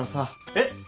えっ！